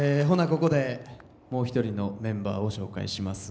ここでもう一人のメンバーを紹介します。